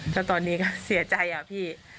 แล้วตอนนี้ก็เสียใจอะพี่